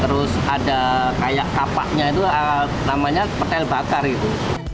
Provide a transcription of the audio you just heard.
terus ada kayak kapaknya itu namanya petel bakar gitu